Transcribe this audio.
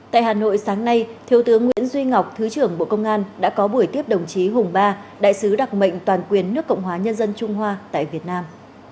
tại hà nội sáng nay thiếu tướng nguyễn duy ngọc thứ trưởng bộ công an đã có buổi tiếp đồng chí hùng ba đại sứ đặc mệnh toàn quyền nước cộng hòa nhân dân trung hoa tại việt nam